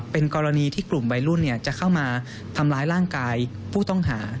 เป็นกรณีที่กลุ่มวัยรุ่นจะเข้ามาทำร้ายร่างกายผู้ต้องหา